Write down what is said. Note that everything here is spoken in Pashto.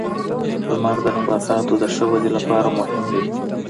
• لمر د نباتاتو د ښه ودې لپاره مهم دی.